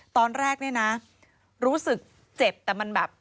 ตอนแรกเนี่ยนะรู้สึกเจ็บแต่มันแบบ